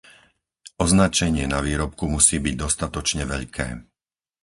Označenie na výrobku musí byť dostatočne veľké.